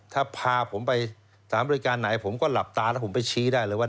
ถ้าพาผมไปสถานบริการไหนผมก็หลับตาแล้วผมไปชี้ได้เลยว่า